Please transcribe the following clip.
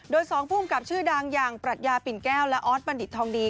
โดย๒ภูมิกับชื่อดังอย่างปรัชญาปิ่นแก้วและออสบัณฑิตทองดี